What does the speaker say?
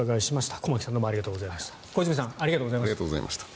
駒木さん、小泉さんありがとうございました。